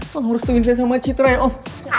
kalian harus nguhin saya sama citra ya om